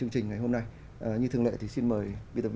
thì gần như là